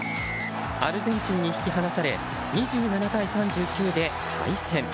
アルゼンチンに引き離され２７対３９で敗戦。